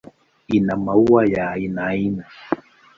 Ina maua ya aina aina.